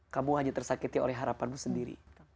kamu hanya tersakiti oleh harapanmu sendiri